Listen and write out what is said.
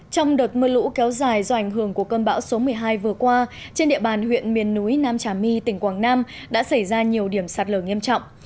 trong đợt mưa lũ kéo dài do ảnh hưởng của cơn bão số một mươi hai vừa qua trên địa bàn huyện miền núi nam trà my tỉnh quảng nam đã xảy ra nhiều điểm sạt lở nghiêm trọng